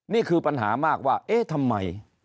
นี่คือปัญหามากว่าเอ๊ะทำไม